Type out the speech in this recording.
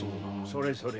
それそれ。